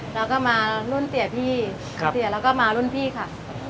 แล้วก็มารุ่นเสียพี่เสียแล้วก็มารุ่นพี่ค่ะ